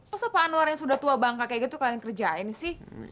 kok sepa anwar yang sudah tua bang kakek gitu kalian kerjain sih